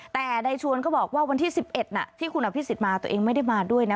แต่ในชวนก็บอกว่าวันที่๑๑ที่คุณอภิษฎมาตัวเองไม่ได้มาด้วยนะ